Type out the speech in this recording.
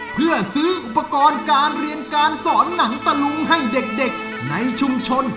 เพื่อซื้ออุปกรณ์การเรียนการสอนหนังตะลุงให้เด็กในชุมชน